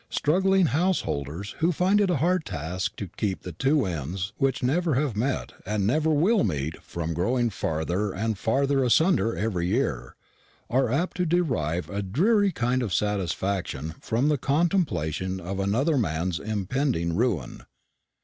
Struggling householders, who find it a hard task to keep the two ends which never have met and never will meet from growing farther and farther asunder every year, are apt to derive a dreary kind of satisfaction from the contemplation of another man's impending ruin.